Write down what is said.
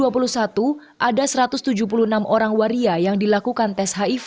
pada dua ribu dua puluh satu ada satu ratus tujuh puluh enam orang waria yang dilakukan tes hiv